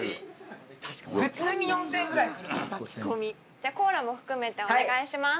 じゃあコーラも含めてお願いします